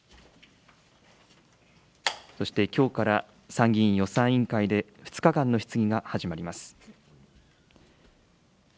そして、きょうから参議院予算委員会で、２日間の質疑が始まります。